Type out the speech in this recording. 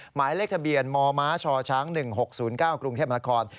หมายเลขทะเบียนมมชช๑๖๐๙กรุงเทพนคร